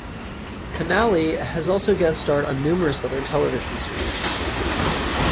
Kanaly has also guest starred on numerous other television series.